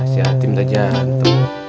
si hatim gak jantung